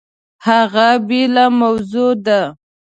هغه بېله موضوع ده!